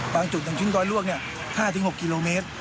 บางจุดถึงชุดรอยลวก๕๖กิโลเมตร